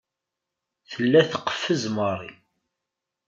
Tella teqfez Mary.